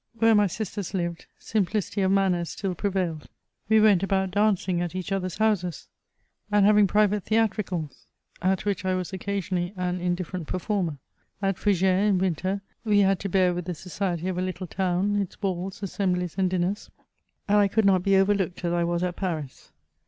Where my sisters lived, simplicity of manners still pre vailed. We went about dancing at each other's houses, and having private theatricals, at which I was occasionally an in different performer. At Foug^res, in winter, we had to bear with the society ef a little town, its balls, assemblies, and dinners ; and I could not be overlooked as I was at Paris.